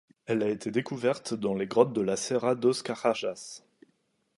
Elle a été découverte dans des grottes de la Serra dos Carajás.